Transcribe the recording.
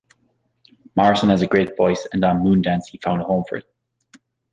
Morrison has a great voice and on "Moondance" he found a home for it.